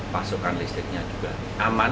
pasokan listriknya juga aman